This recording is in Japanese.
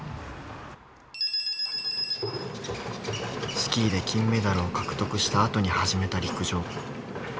スキーで金メダルを獲得したあとに始めた陸上。